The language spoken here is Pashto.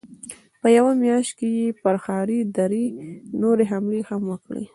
په يوه مياشت کې يې پر ښار درې نورې حملې هم وکړې.